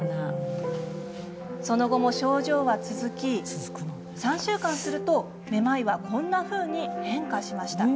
その後も症状は続き３週間すると、めまいはこんなふうに変化しました。